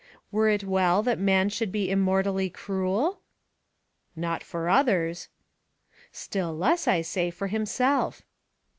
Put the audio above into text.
were it well that man should be immortally cruel?" "Not for others." "Still less, I say, for himself."